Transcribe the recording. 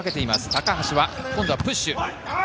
高橋、今度はプッシュ。